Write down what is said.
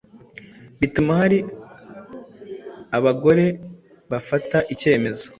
bituma hari abagore bafata icyemezo